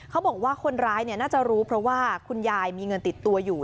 เขาบอกว่าคนร้ายน่าจะรู้เพราะว่าคุณยายมีเงินติดตัวอยู่